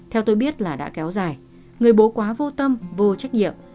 theo tôi biết là đã kéo dài người bố quá vô tâm vô trách nhiệm